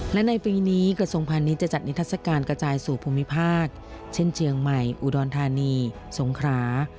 และในปีนี้กระทรวงพาณิชยจะจัดนิทัศกาลกระจายสู่ภูมิภาคเช่นเชียงใหม่อุดรธานีสงครา